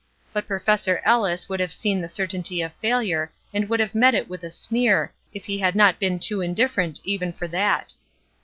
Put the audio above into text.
But Professor Ellis would have seen the certainty of failure, and would have met it with a sneer, if he had not been too indifferent even for that.